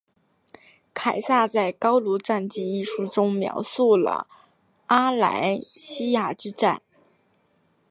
凯撒在高卢战记一书中描述了阿莱西亚之战。